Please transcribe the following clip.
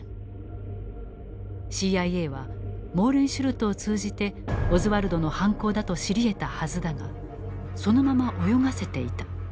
ＣＩＡはモーレンシュルトを通じてオズワルドの犯行だと知り得たはずだがそのまま泳がせていた。